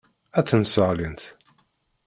Ad ten-sseɣlint.